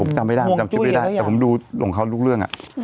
ผมจำไม่ได้แต่ผมดูหลวงเขาลูกเรื่อง